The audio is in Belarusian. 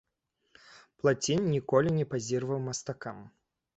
Плацін ніколі не пазіраваў мастакам.